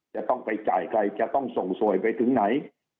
จะต้องไปจ่ายใครจะต้องส่งสวยไปถึงไหน